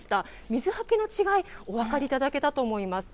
水はけの違い、お分かりいただけたと思います。